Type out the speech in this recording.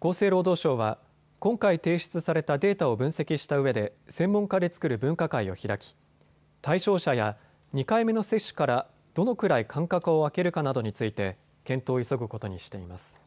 厚生労働省は今回、提出されたデータを分析したうえで専門家で作る分科会を開き対象者や２回目の接種からどのくらい間隔を空けるかなどについて検討を急ぐことにしています。